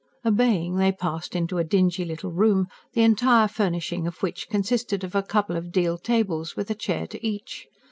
Obeying, they passed into a dingy little room, the entire furnishing of which consisted of a couple of deal tables, with a chair to each.